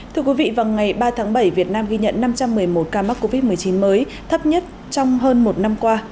thưa quý vị vào ngày ba tháng bảy việt nam ghi nhận năm trăm một mươi một ca mắc covid một mươi chín mới thấp nhất trong hơn một năm qua